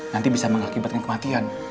nanti bisa mengakibatkan kematian